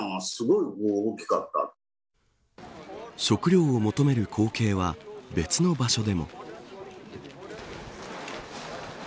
食料を求める光景は別の場所でも。